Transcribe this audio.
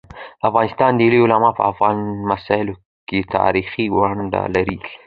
د افغانستان دیني علماء په افغاني مسايلو کيتاریخي ونډه لري.